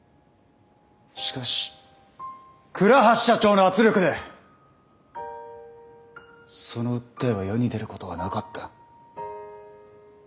しかし倉橋社長の圧力でその訴えは世に出ることはなかった。